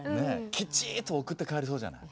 きちっと送って帰りそうじゃない。